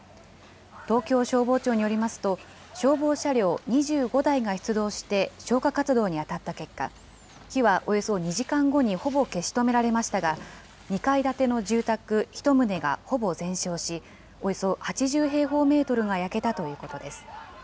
東京消防庁によりますと、消防車両２５台が出動して消火活動に当たった結果、火はおよそ２時間後にほぼ消し止められましたが、２階建ての住宅１棟がほぼ全焼し、およそ８０平方メートルが焼けたということです。